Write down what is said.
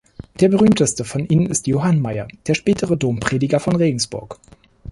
Der berühmteste von ihnen ist Johann Maier, der spätere Domprediger von Regensburg.